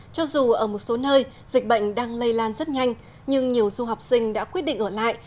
cho dù ở một số nơi dịch bệnh đang lây lan rất nhanh nhưng nhiều du học sinh đã quyết định ở lại